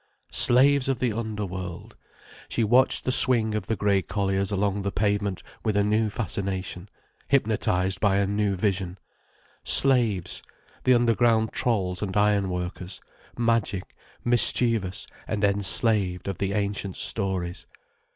Slaves of the underworld! She watched the swing of the grey colliers along the pavement with a new fascination, hypnotized by a new vision. Slaves—the underground trolls and iron workers, magic, mischievous, and enslaved, of the ancient stories.